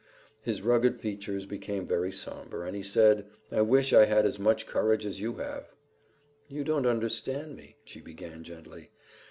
His rugged features became very somber as he said, "I wish I had as much courage as you have." "You don't understand me " she began gently.